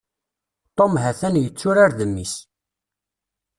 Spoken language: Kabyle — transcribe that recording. Tom ha-t-an yetturar d mmi-s.